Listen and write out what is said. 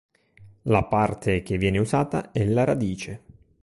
La parte che viene usata è la radice.